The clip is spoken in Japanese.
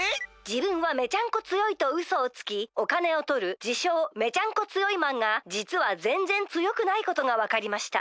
「じぶんはめちゃんこ強いとうそをつきおかねをとるじしょうめちゃんこ強いマンがじつはぜんぜん強くないことがわかりました」。